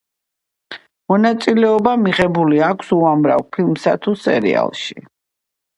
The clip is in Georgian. მონაწილეობა მიღებული აქვს უამრავ ფილმსა თუ სერიალში.